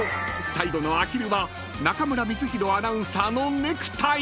最後のアヒルは中村光宏アナウンサーのネクタイ！］